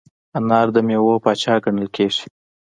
انار د میوو پاچا ګڼل کېږي.